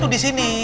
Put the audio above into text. ada satu disini